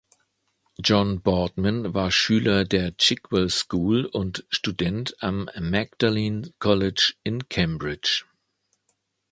John Boardman war Schüler der Chigwell School und Student am Magdalene College in Cambridge.